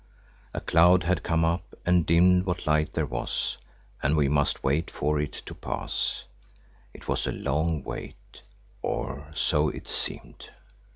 A cloud had come up and dimmed what light there was, and we must wait for it to pass. It was a long wait, or so it seemed.